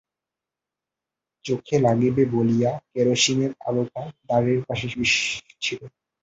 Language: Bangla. চোখে লাগিবে বলিয়া কেরোসিনের আলোটা দ্বারের পার্শ্বে ছিল।